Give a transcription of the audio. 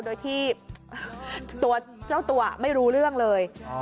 โดยที่ตัวเจ้าตัวไม่รู้เรื่องเลย